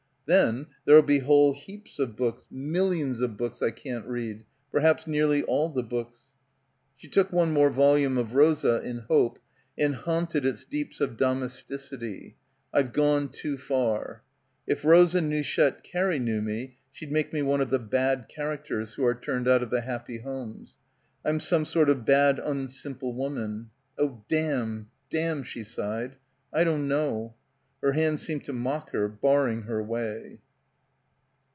... Then there'll be whole heaps of books, millions of books I can't read — perhaps nearly all the books. She took one more volume of Rosa, in hope, and haunted its deeps of domesticity. "I've gone too far." ... If Rosa Nouchette Carey knew me, she'd make me one of the bad characters who are turned out of the happy homes. I'm some sort of bad unsimple woman. Oh, damn, damn, she sighed. I don't know. Her hands seemed to mock her, barring her way.